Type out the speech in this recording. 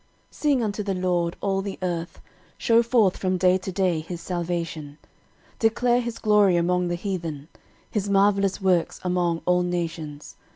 13:016:023 Sing unto the LORD, all the earth; shew forth from day to day his salvation. 13:016:024 Declare his glory among the heathen; his marvellous works among all nations.